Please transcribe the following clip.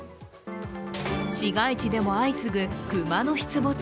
市街地でも相次ぐ熊の出没。